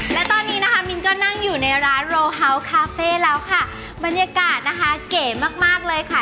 และตอนนี้นะคะมินก็นั่งอยู่ในร้านโรเฮาส์คาเฟ่แล้วค่ะบรรยากาศนะคะเก๋มากมากเลยค่ะ